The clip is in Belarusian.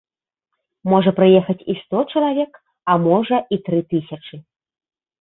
Можа прыехаць і сто чалавек, а можа і тры тысячы.